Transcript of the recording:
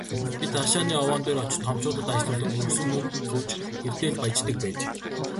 Бид рашааны овоон дээр очиж томчуудад аашлуулан, өргөсөн мөнгө түүж хэрдээ л «баяждаг» байж.